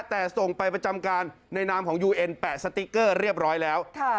แต่ส่งไปประจำการในนามของยูเอ็นแปะสติ๊กเกอร์เรียบร้อยแล้ว